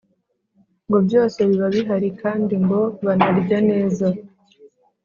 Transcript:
. Ngo byose biba bihari kandi ngo banarya neza.